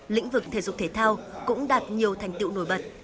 lĩnh vực thể dục thể thao cũng đạt nhiều thành tựu nổi bật